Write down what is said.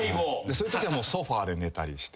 そういうときはもうソファで寝たりして。